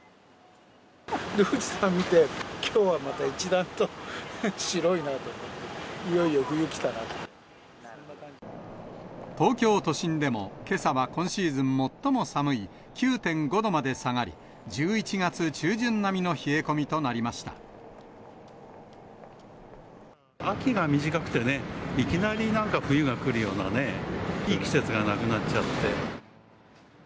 富士山見て、きょうはまた一段と白いなと思って、東京都心でも、けさは今シーズン最も寒い、９．５度まで下がり、１１月中旬並みの冷え込みと秋が短くてね、いきなりなんか冬が来るようなね、いい季節がなくなっちゃって。